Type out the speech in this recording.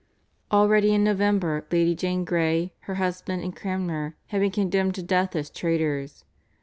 Already in November Lady Jane Grey, her husband and Cranmer had been condemned to death as traitors.